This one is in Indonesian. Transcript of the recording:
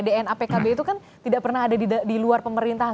dna pkb itu kan tidak pernah ada di luar pemerintahan